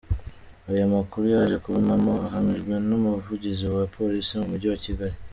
Aya makuru yaje kuba impamo ahamijwe n’umuvugizi wa Polisi mu mujyi wa Kigali.